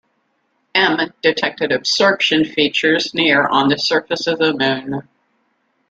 M detected absorption features near on the surface of the Moon.